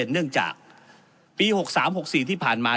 เนื่องจากปี๖๓๖๔ที่ผ่านมา